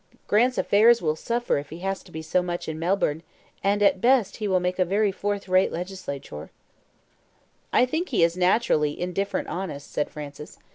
Grant's affairs will suffer if he has to be so much in Melbourne, and at best he will make a very fourth rate legislator." "I think he is naturally 'indifferent honest,'" said Francis.